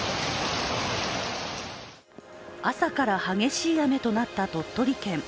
朝から激しい雨となった鳥取県。